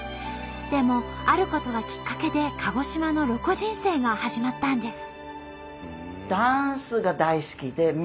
でもあることがきっかけで鹿児島のロコ人生が始まったんです。